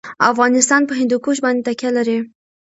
افغانستان په هندوکش باندې تکیه لري.